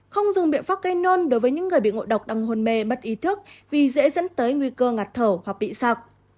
không dùng biện pháp cây nôn đối với những người bị ngộ độc đang hôn mê mất ý thức vì dễ dẫn tới nguy cơ ngặt thở hoặc bị sạc